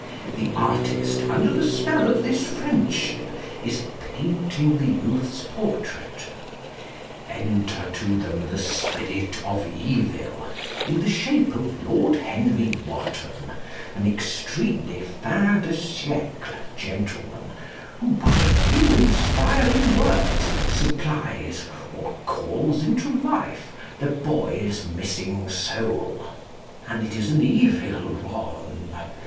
The artist under the spell of this friendship, is painting the youth's portrait. Enter to them the spirit of evil, in the shape of Lord Henry Wotton, an extremely "fin de siècle" gentleman, who, by a few inspiring words, supplies, or calls into life, the boy's missing soul, and it is an evil one.